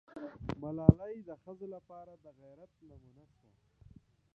ملالۍ د ښځو لپاره د غیرت نمونه سوه.